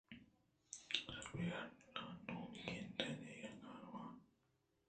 سپرنٹنڈنٹ ءَ انوں گنداں دگہ کاراں ہوار